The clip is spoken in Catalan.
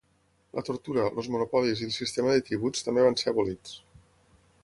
La tortura, els monopolis i el sistema de tributs també van ser abolits.